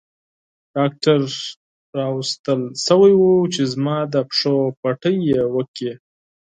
ډاکټر راوستل شوی وو چې زما د پښو پټۍ وکړي.